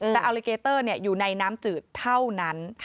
แต่อัลลิเกเตอร์อยู่ในน้ำจืดเท่านั้น